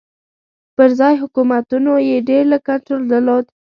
پر ځايي حکومتونو یې ډېر لږ کنټرول درلود.